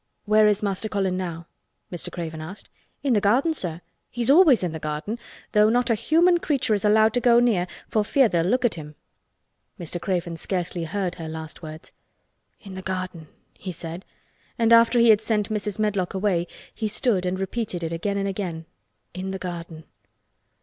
"Where is Master Colin now?" Mr. Craven asked. "In the garden, sir. He's always in the garden—though not a human creature is allowed to go near for fear they'll look at him." Mr. Craven scarcely heard her last words. "In the garden," he said, and after he had sent Mrs. Medlock away he stood and repeated it again and again. "In the garden!"